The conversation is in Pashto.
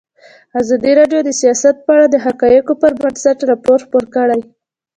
ازادي راډیو د سیاست په اړه د حقایقو پر بنسټ راپور خپور کړی.